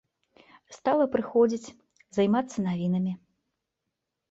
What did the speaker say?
Стала прыходзіць, займацца навінамі.